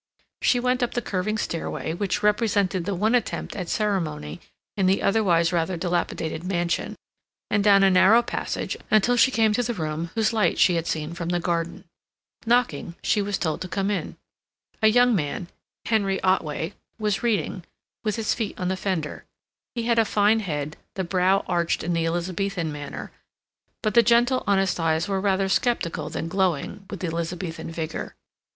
She went up the curving stairway, which represented the one attempt at ceremony in the otherwise rather dilapidated mansion, and down a narrow passage until she came to the room whose light she had seen from the garden. Knocking, she was told to come in. A young man, Henry Otway, was reading, with his feet on the fender. He had a fine head, the brow arched in the Elizabethan manner, but the gentle, honest eyes were rather skeptical than glowing with the Elizabethan vigor.